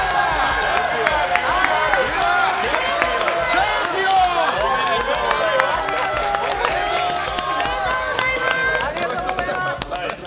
チャンピオン！おめでとうございます。